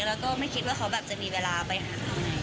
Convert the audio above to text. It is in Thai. แล้วก็ไม่คิดว่าเขาแบบจะมีเวลาไปหา